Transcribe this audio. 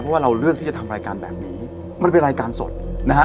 เพราะว่าเราเลือกที่จะทำรายการแบบนี้มันเป็นรายการสดนะฮะ